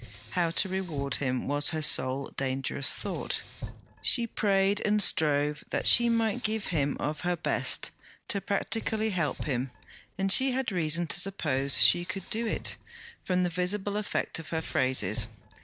How to reward him, was her sole dangerous thought. She prayed and strove that she might give him of her best, to practically help him; and she had reason to suppose she could do it, from the visible effect of her phrases.